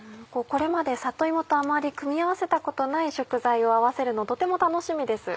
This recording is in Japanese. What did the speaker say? これまで里芋とあまり組み合わせたことない食材を合わせるのとても楽しみです。